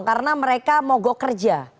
karena mereka mau go kerja